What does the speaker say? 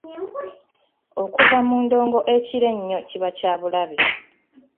Okuva mu ndongo ekiro ennyo kiba kya bulabe.